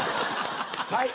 はい！